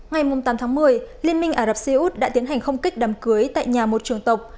ngày tám tháng một mươi liên minh ả rập xê út đã tiến hành không kích đàm cưới tại nhà một trường tộc